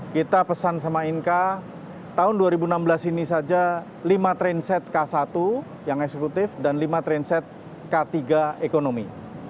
kita pesan sama inka tahun dua ribu enam belas ini saja lima transit k satu yang eksekutif dan lima trainset k tiga ekonomi